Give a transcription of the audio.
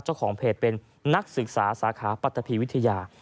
เจ้าของเพจเป็นนักศึกษาสาขาปัตตะพีวิทยา